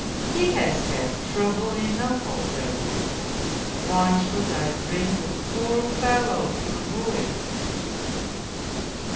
He has had trouble enough already : why should I bring the poor fellow to ruin